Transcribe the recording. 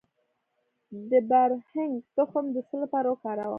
د بارهنګ تخم د څه لپاره وکاروم؟